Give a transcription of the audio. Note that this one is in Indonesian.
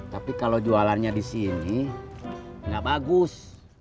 tapi kalau jualannya disini gak bagus